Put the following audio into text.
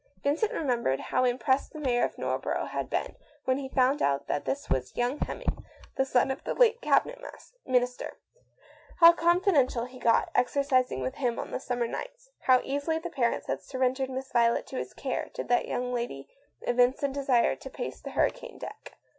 Vincent remembered how impressed the mayor of Northborough had been when he found out that this was " young Hemming," the son of the late Cab inet Minister. How confidential he had got, exercising with him on the summer nights. How easily the parents had surrendered Miss Violet to his care, did that young lady evince a desire to pace the hurricane deck.